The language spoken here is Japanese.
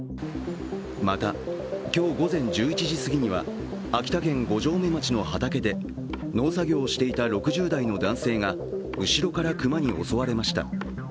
また、今日午前１１時すぎには秋田県五城目町の畑で農作業をしていた６０代の男性が後ろから熊に襲われました。